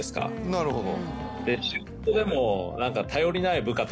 なるほど。